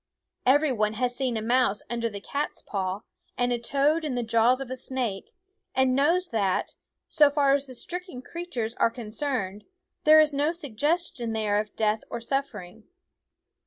Every one has seen a mouse under the cat's paw, and a toad in the jaws of a snake, and knows that, so far as the stricken creatures are con cerned, there is no suggestion there of death or suffering.